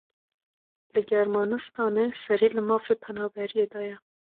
Li Germanistanê serî li mafê penaberiyê daye.